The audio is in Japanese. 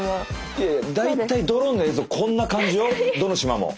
いやいや大体ドローンの映像こんな感じよどの島も。